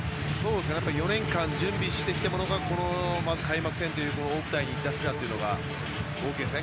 ４年間準備してきたものがこの開幕戦という大舞台に出せたのが大きいですね。